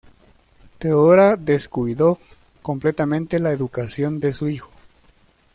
Teodora descuidó completamente la educación de su hijo.